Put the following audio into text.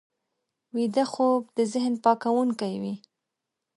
ویده خوب د ذهن پاکوونکی وي